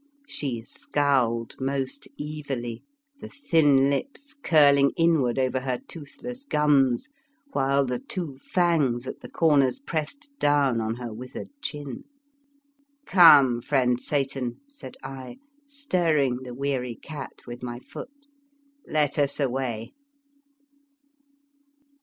" She scowled most evilly, the thin lips curling inward over her toothless gums, while the two fangs at the cor ners pressed down on her withered chin. M Come, friend Satan," said I, stir 54 The Fearsome Island ring the weary cat with my foot, " let us away."